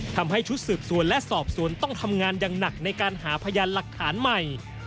ทำให้ชุดสืบสวนและสอบสวนต้องทำงานอย่างหนักในการหาพยานหลักฐานใหม่